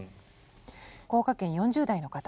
福岡県４０代の方。